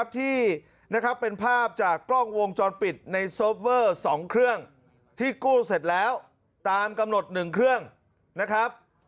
ที่กู้เสร็จแล้วตามกำหนดหนึ่งเครื่องนะครับ